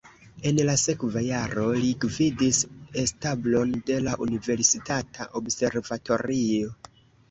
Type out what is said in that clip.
En la sekva jaro li gvidis establon de la universitata observatorio.